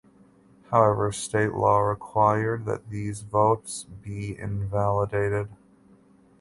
However state law required that these votes be invalidated.